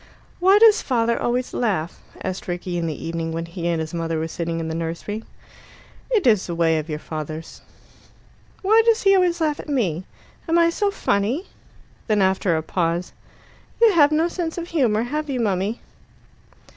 "Why does father always laugh?" asked Rickie in the evening when he and his mother were sitting in the nursery. "It is a way of your father's." "Why does he always laugh at me? Am I so funny?" Then after a pause, "You have no sense of humour, have you, mummy?"